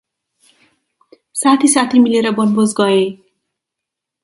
साथी साथी मिलेर, वनभोज गए ।